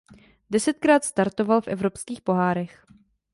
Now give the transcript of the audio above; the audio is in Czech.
Desetkrát startoval v evropských pohárech.